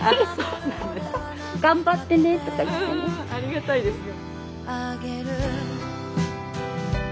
うんありがたいですよ。